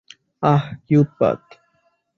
আঃ, কী উৎপাত!